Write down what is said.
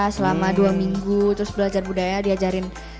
selama dua minggu terus belajar budaya diajarin